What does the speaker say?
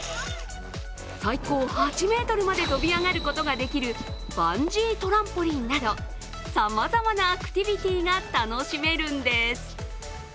最高８ｍまで飛び上がることができるバンジートランポリンなどさまざまなアクティビティーが楽しめるんです。